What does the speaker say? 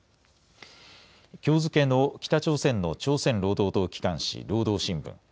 きょう付けの北朝鮮の朝鮮労働党機関紙、労働新聞。